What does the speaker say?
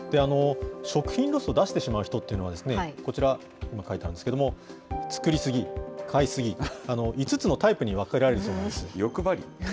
食品ロスを出してしまう人っていうのは、こちら、書いてあるんですけれども、作り過ぎ、買い過ぎ、５つのタイプに分けられるそうなんです。